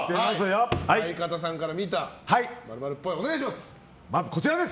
相方さんから見た○○っぽいをお願いします。